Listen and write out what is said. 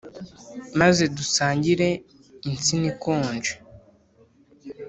Maze dusangire insina ikonje